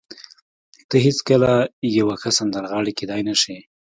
ته هېڅکله یوه ښه سندرغاړې کېدای نشې